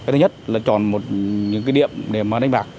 thứ nhất là chọn những địa điểm để đánh bạc